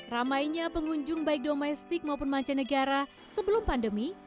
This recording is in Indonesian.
ramainya pengunjung baik domestik maupun mancanegara sebelum pandemi